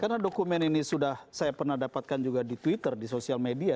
karena dokumen ini sudah saya pernah dapatkan juga di twitter di sosial media